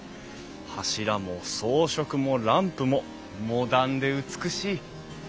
柱も装飾もランプもモダンで美しい！